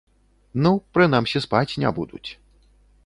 Ну, прынамсі спаць не будуць.